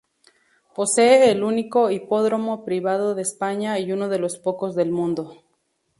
Posee el único hipódromo privado de España y uno de los pocos del mundo.